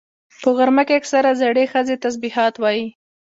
په غرمه کې اکثره زړې ښځې تسبيحات وایي